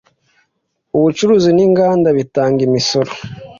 ubucuruzi ninganda bitanga imisoro.